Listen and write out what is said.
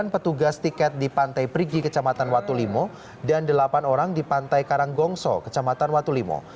delapan petugas tiket di pantai perigi kecamatan watulimo dan delapan orang di pantai karanggongso kecamatan watulimo